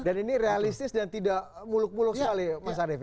dan ini realistis dan tidak muluk muluk sekali mas arief ya